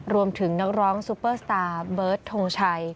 รวมถึงนักร้องซูเปอร์สตาร์เบิร์ตทงชัย